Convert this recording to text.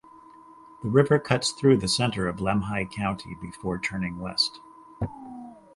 The river cuts through the center of Lemhi County before turning west.